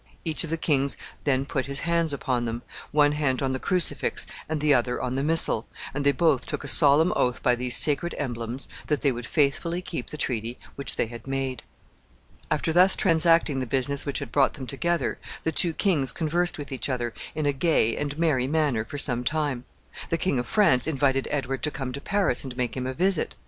Each of the kings then put his hands upon them one hand on the crucifix and the other on the missal and they both took a solemn oath by these sacred emblems that they would faithfully keep the treaty which they had made. After thus transacting the business which had brought them together, the two kings conversed with each other in a gay and merry manner for some time. The King of France invited Edward to come to Paris and make him a visit.